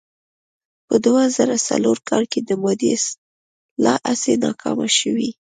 په دوه زره څلور کال کې د مادې اصلاح هڅې ناکامې شوې.